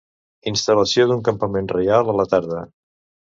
Instal·lació d'un campament reial a la tarda.